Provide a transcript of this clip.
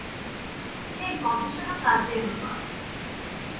সেই গবেষণা কাজে এল না।